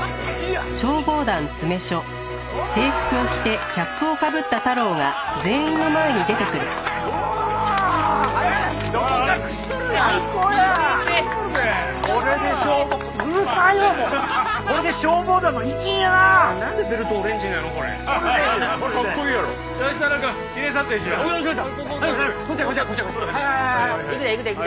いくでいくでいくで。